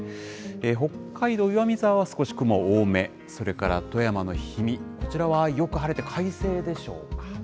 北海道岩見沢は少し雲は多め、それから富山の氷見、こちらはよく晴れて快晴でしょうか。